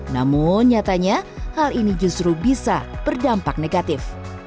namun nyatanya hal ini justru bisa berdampak negatif